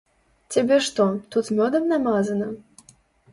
Цябе што, тут мёдам намазана?